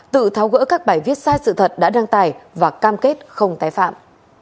tự tháo gỡ các bài viết sai sự thật đã đăng tải và cam kết không tái phạm